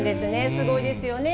すごいですよね。